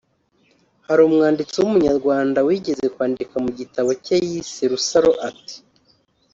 Hari umwanditsi w’Umunyarwanda wigeze kwandika mu gitabo cye yise Rusaro ati